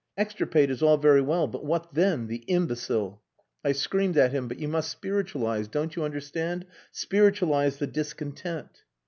Extirpate is all very well but what then? The imbecile! I screamed at him, 'But you must spiritualize don't you understand? spiritualize the discontent.